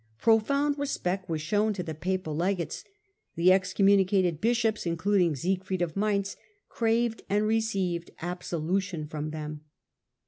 Profound respect was shown to the papal legates; the excom municated bishops, including Siegfried of Maiuz, craved and received absolution from them.